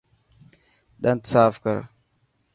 ڏنت صاف ڪر.